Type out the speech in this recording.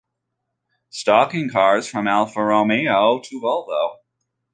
Stocking cars from Alfa Romeo to Volvo.